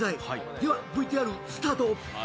ではＶＴＲスタート。